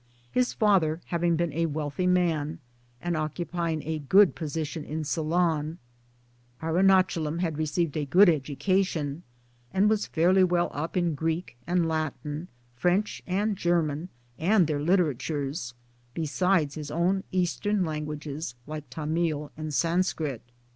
His father having been a wealthy man and occupying a good position in Ceylon, Arundchalam had received a good education and was fairly well up in Greek and Latin, French and German, and their literatures, besides his own Eastern languages, like Tamil and Sanskrit.